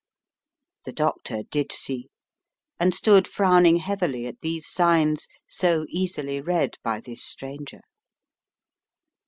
The doctor did see, and stood frowning heavily at these signs so easily read by this stranger.